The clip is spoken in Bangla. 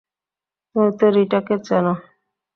তুমি তো রিটাকে চেন।